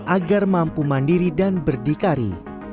agar mampu mandiri dan berdikari